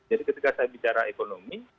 jadi ketika saya bicara ekonomi